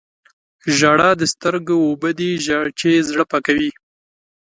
• ژړا د سترګو اوبه دي چې زړه پاکوي.